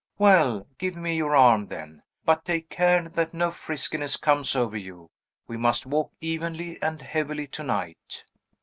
Well; give me your arm, then! But take care that no friskiness comes over you. We must walk evenly and heavily to night!"